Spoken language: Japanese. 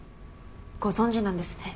ご存じなんですね？